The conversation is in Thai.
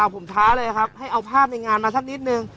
ผมท้าเลยครับให้เอาภาพในงานมาสักนิดนึง